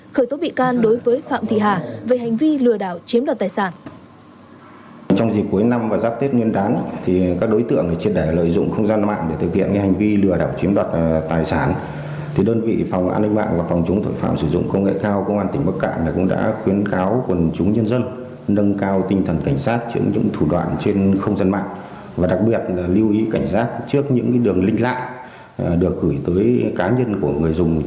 khởi tố bị can đối với phạm thị hà về hành vi lừa đảo chiếm đoạt tài sản